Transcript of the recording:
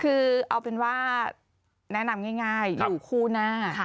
คือเอาเป็นว่าแนะนำง่ายอยู่คู่หน้า